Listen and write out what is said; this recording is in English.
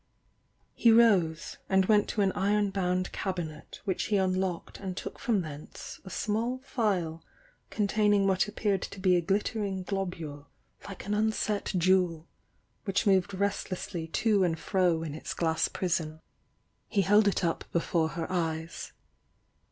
He rose and went to an iron bound cabinet which he unlocked and took from thence a small phial con taining what appeared to be a plittering globule like an unset jewel, which moved restlessly to and 176 THE YOUNG DIANA fro in its glass prison. He held it up before her eyes.